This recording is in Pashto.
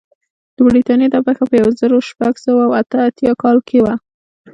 د برېټانیا دا پېښه په یو زرو شپږ سوه اته اتیا کال کې وه.